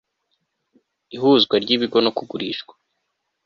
Ihuzwa ry ibigo no kugurishwa